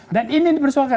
dan ini dipersoalkan